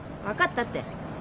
分かったって。